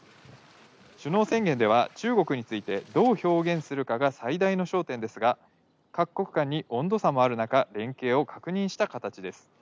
首脳宣言では中国についてどう表現するかが最大の焦点ですが、各国間に温度差もあるなか、連携を確認した形です。